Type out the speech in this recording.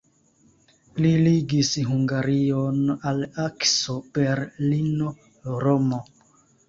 Li ligis Hungarion al akso Berlino-Romo.